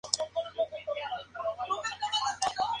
Y fue miembro de diversas sociedades científicas.